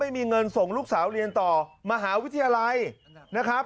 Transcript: ไม่มีเงินส่งลูกสาวเรียนต่อมหาวิทยาลัยนะครับ